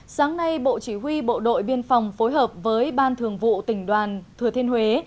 sáng nay bộ chỉ huy bộ đội biên phòng phối hợp với ban thường vụ tỉnh đoàn thừa thiên huế